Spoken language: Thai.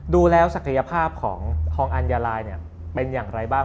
ดูแล้วศักยภาพของทองอัญญาลายเป็นอย่างไรบ้าง